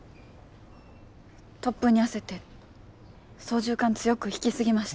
突風に焦って操縦かん強く引き過ぎました。